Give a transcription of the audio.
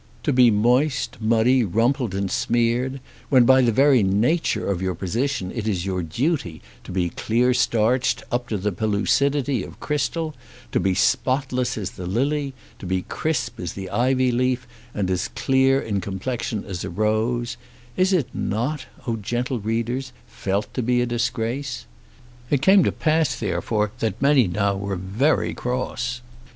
To be moist, muddy, rumpled and smeared, when by the very nature of your position it is your duty to be clear starched up to the pellucidity of crystal, to be spotless as the lily, to be crisp as the ivy leaf, and as clear in complexion as a rose, is it not, O gentle readers, felt to be a disgrace? It came to pass, therefore, that many were now very cross.